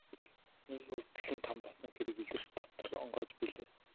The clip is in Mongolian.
Ийнхүү сэтгэлийн там болсон хэрэг илэрч дотор онгойж билээ.